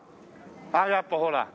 あやっぱほら。